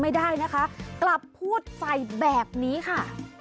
ไม่ได้นะคะกลับพูดใส่แบบนี้ค่ะ